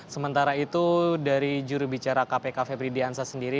sementara itu dari juru bicara kpk febri diansa sendiri